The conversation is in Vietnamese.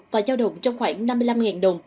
và giao động trong khoảng năm mươi năm đồng